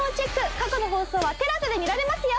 過去の放送はＴＥＬＡＳＡで見られますよ！